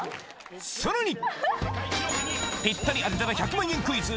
さらに！